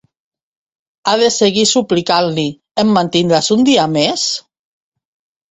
Ha de seguir suplicant-li: Em mantindràs un dia més?